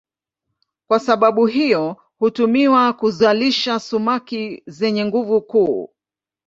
Kwa sababu hiyo hutumiwa kuzalisha sumaku zenye nguvu kuu.